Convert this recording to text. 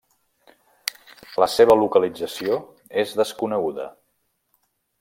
La seva localització és desconeguda.